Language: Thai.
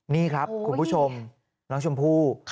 นี่ครับคุณผู้ชมน้องชมพู่